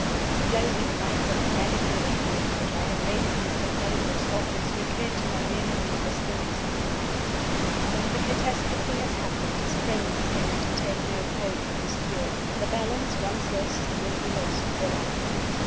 The closing lines of the medical report which I had read in Mr. Playmore's office recurred to my memory in the stillness of the night "When the catastrophe has happened, his friends can entertain no hope of his cure: the balance once lost, will be lost for life."